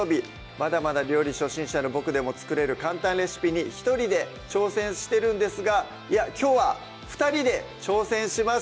まだまだ料理初心者のボクでも作れる簡単レシピに一人で挑戦してるんですがいやきょうは２人で挑戦します